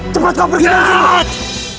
cepat kau pergi dari sini